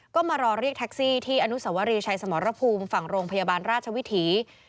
ก็มารอเรียกแท็กซี่ที่อนุสวรีชัยสมรภูมิฝั่งโรงพยาบาลราชวิถี